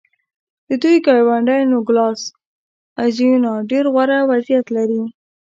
د دوی ګاونډی نوګالس اریزونا ډېر غوره وضعیت لري.